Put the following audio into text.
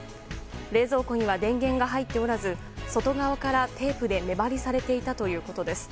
冷蔵庫には電源が入っておらず外側からテープで目張りされていたということです。